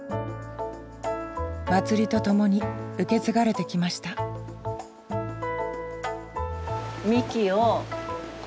祭りとともに受け継がれてきましたみき。